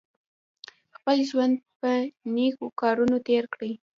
خپل ژوند په نېکو کارونو تېر کړئ.